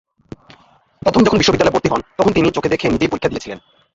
প্রথম যখন বিশ্ববিদ্যালয়ে ভর্তি হন, তখন তিনি চোখে দেখে নিজেই পরীক্ষা দিয়েছিলেন।